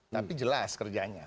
tapi jelas kerjanya